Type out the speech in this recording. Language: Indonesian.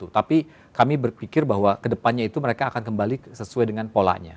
tapi kami berpikir bahwa kedepannya itu mereka akan kembali sesuai dengan polanya